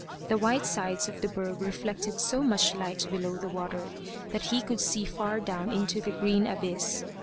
The white sides of the berg reflected so much light below the water, that he could see far down into the green abyss.